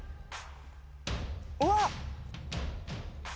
うわっ！